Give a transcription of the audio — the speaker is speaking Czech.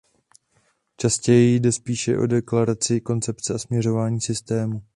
Častěji jde spíše o deklaraci koncepce a směřování systému.